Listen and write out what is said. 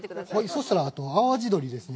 そうしたら、あと淡路鶏ですね。